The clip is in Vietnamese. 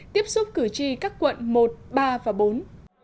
tiếp xúc cử tri các quận một ba